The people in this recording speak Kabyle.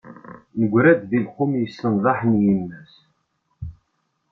Negra-d di lqum, yessendahen yemma-s.